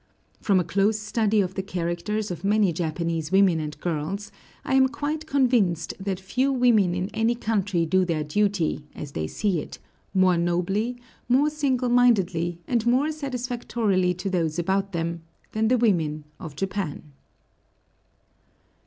From a close study of the characters of many Japanese women and girls, I am quite convinced that few women in any country do their duty, as they see it, more nobly, more single mindedly, and more satisfactorily to those about them, than the women of Japan.